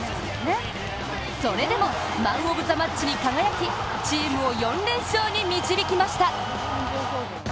それでもマン・オブ・ザ・マッチに輝きチームを４連勝に導きました。